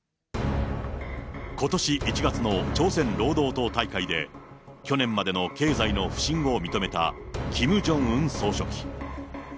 ことし１月の朝鮮労働党大会で、去年までの経済の不振を認めたキム・ジョンウン総書記。